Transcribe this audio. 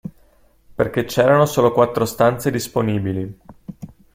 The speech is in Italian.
Perché c'erano solo quattro stanze disponibili.